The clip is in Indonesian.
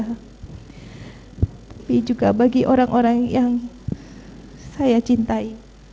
tapi juga bagi orang orang yang saya cintai